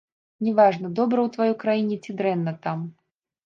Не важна, добра ў тваёй краіне ці дрэнна там.